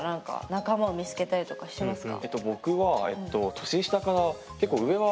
仲間を見つけたりとかしてますか？